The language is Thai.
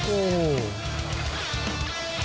โอ้โห